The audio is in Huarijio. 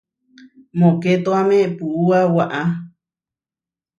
Mokétoame puúa waʼá.